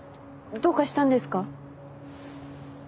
どうかしたんですか？